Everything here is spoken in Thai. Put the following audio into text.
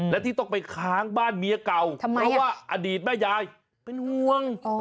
และที่ต้องไปค้างบ้านเมียเก่าเพราะว่าอดีตแม่ยายเป็นห่วง